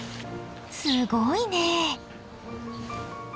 すごいね！